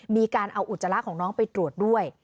มีการเอาอุจจาระของน้องไปตรวจด้วย